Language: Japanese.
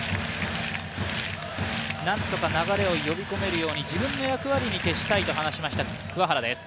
何とか流れを呼び込めるように、自分の役割に徹したいと話しました桑原です。